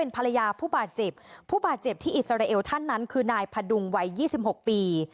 ภรรยาผู้บาดเจ็บผู้บาดเจ็บที่อิสราเอลท่านนั้นคือนายพดุงวัย๒๖ปี